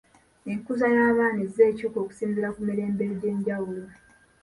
Enkuza y'abaana ezze ekyuka okusinziira ku mirembe egy'enjawulo.